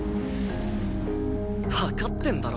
わかってんだろ？